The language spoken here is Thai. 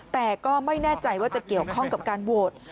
แต่ก็ไม่แน่ใจว่าจะเกี่ยวข้องกับการโหวต